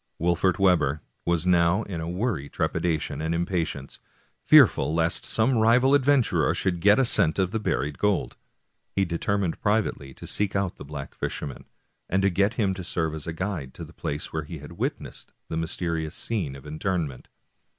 Wolfert Webber was now in a worry of trepidation and impatience, fearful lest some rival adventurer should get a scent of the buried gold. He determined privately to seek out the black fisherman, and get him to serve as guide to the place where he had witnessed the mysterious scene of interment.